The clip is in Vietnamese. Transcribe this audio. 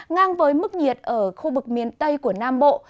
ngang với mức nhiệt ở khu vực miền tây của nam bộ